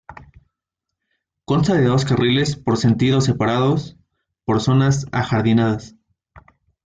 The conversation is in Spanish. Consta de dos carriles por sentido separados por zonas ajardinadas.